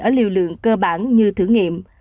ở liều lượng cơ bản như thử nghiệm